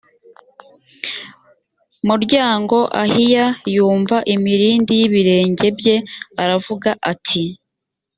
muryango ahiya yumva imirindi y ibirenge bye aravuga ati